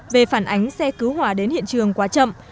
về phản ánh xe cứu hỏa đến hiện trường quá chậm